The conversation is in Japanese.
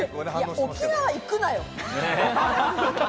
沖縄行くなよ。